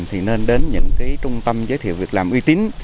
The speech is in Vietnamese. thì nên đến những trung tâm giới thiệu việc làm uy tín